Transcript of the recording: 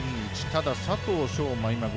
ただ、佐藤翔